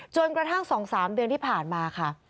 กระทั่ง๒๓เดือนที่ผ่านมาค่ะ